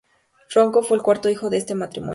Rothko fue el cuarto hijo de este matrimonio.